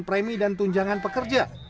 premi dan tunjangan pekerja